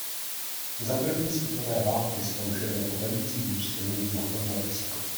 Za první světové války sloužil jako velící důstojník na ponorce.